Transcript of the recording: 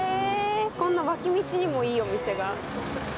こんな脇道にもいいお店が。